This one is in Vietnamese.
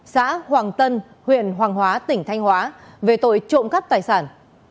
xã hoàng tân huyện hoàng hóa tỉnh thanh hóa về tội trộm cắp tài sản